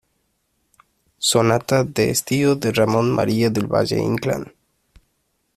sonata de estío de Ramón María del Valle-Inclán.